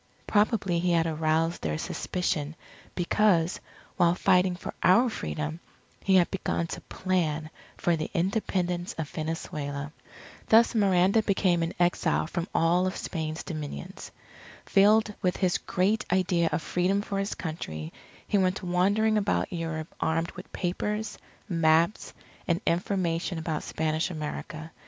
Probably he had aroused their suspicion because, while fighting for our Freedom, he had begun to plan for the Independence of Venezuela. Thus Miranda became an exile from all of Spain's dominions. Filled with his great idea of Freedom for his Country, he went wandering about Europe armed with papers, maps, and information about Spanish America.